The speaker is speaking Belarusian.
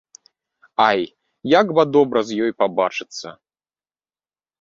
— Ай, як ба добра з ёю пабачыцца.